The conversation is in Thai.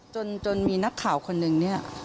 จนมีนักข่าวคนหนึ่ง